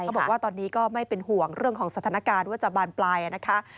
บอกว่าตอนนี้ก็ไม่เป็นห่วงเรื่องของสถานการณ์ว่าจะบานปลายนะคะ